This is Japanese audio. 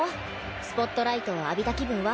スポットライトを浴びた気分は。